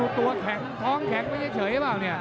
ตัวแข็งท้องแข็งไปเฉยหรือเปล่าเนี่ย